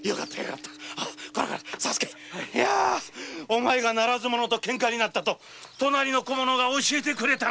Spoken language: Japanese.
お前がならず者とケンカになったと隣の小者が教えてくれた。